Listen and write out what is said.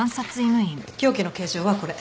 凶器の形状はこれ。